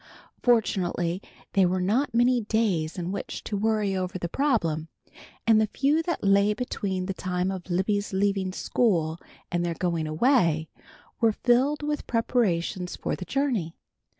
Fortunately there were not many days in which to worry over the problem, and the few that lay between the time of Libby's leaving school and their going away, were filled with preparations for the journey.